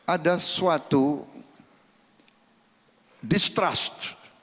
ada suatu distrust